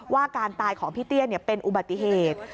ว่าการตายของพี่เตี้ยเป็นอุบัติเหตุ